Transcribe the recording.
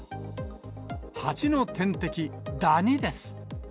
ハチの天敵、ダニです。